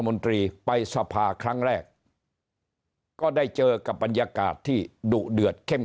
นตรีไปสภาครั้งแรกก็ได้เจอกับบรรยากาศที่ดุเดือดเข้ม